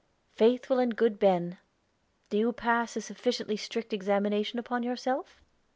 "Faithful and good Ben, do you pass a sufficiently strict examination upon yourself?